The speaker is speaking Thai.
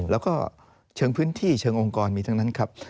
แล้วก็เชิงพื้นที่เชิงองค์กรมีทั้งนั้นครับ